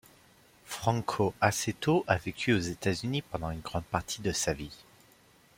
Franco Assetto a vécu aux États-Unis pendant une grande partie de sa vie.